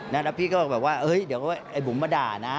แล้วพี่ก็แบบว่าเฮ้ยเดี๋ยวไอ้บุ๋มมาด่านะ